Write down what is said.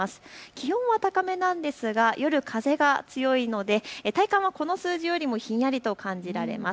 気温は高めなんですが夜、風が強いので体感はこの数字よりもひんやりと感じられます。